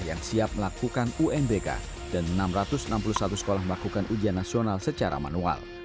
yang siap melakukan unbk dan enam ratus enam puluh satu sekolah melakukan ujian nasional secara manual